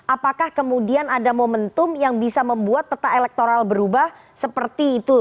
apakah kemudian ada momentum yang bisa membuat peta elektoral berubah seperti itu